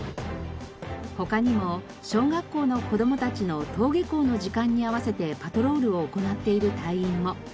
他にも小学校の子どもたちの登下校の時間に合わせてパトロールを行っている隊員も。